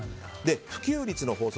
普及率の法則